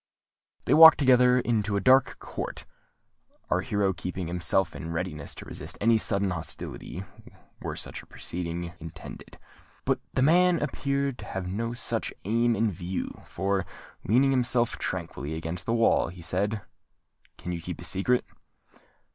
They walked together into a dark court, our hero keeping himself in readiness to resist any sudden hostility, were such a proceeding intended. But the man appeared to have no such aim in view, for, leaning himself tranquilly against the wall, he said, "Can you keep a secret?"